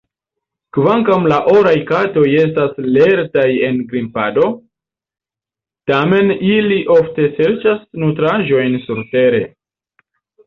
Kvankam la oraj katoj estas lertaj en grimpado, tamen ili ofte serĉas nutraĵojn surtere.